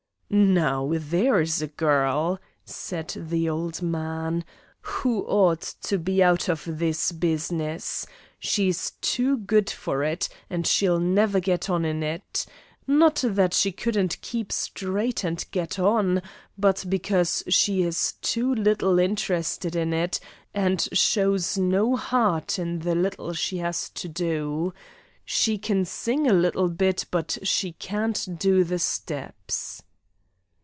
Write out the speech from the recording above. "Now, there is a girl," said the old man, "who ought to be out of this business. She's too good for it, and she'll never get on in it. Not that she couldn't keep straight and get on, but because she is too little interested in it, and shows no heart in the little she has to do. She can sing a little bit, but she can't do the steps."